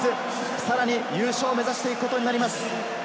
さらに優勝を目指していくことになります。